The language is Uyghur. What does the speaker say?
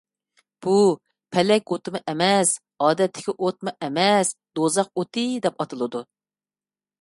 بۇ، پەلەك ئوتىمۇ ئەمەس، ئادەتتىكى ئوتمۇ ئەمەس، «دوزاخ ئوتى» دەپ ئاتىلىدۇ.